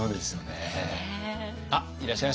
あっいらっしゃいました。